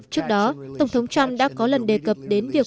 trước đó tổng thống trump đã có lần đề cập đến việc